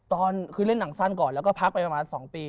ตอนคือเล่นหนังสั้นก่อนแล้วก็พักไปประมาณ๒ปี